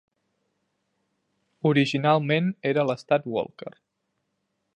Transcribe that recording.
Originalment era l'estat Walker.